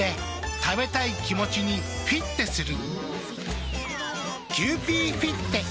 食べたい気持ちにフィッテする。